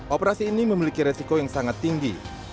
operasi ini memiliki resiko yang sangat tinggi